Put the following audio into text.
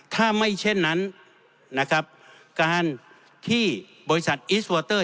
ถ้าไม่เช่นนั้นนะครับการที่บริษัทอิสวอเตอร์